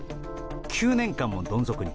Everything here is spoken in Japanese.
９年間もどん底に。